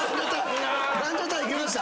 ランジャタイいきました？